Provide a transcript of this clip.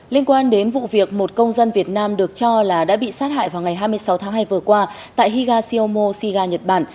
liên quan đến vụ việc một công dân việt nam được cho là đã bị sát hại vào ngày hai mươi sáu tháng hai vừa qua tại higa siêu mô shiga nhật bản